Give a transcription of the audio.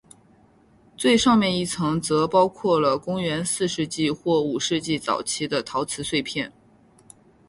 最上面一层则包括了公元四世纪或五世纪早期的陶瓷碎片。